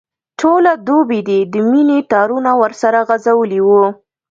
ټوله دوبي دي د مینې تارونه ورسره غځولي وو.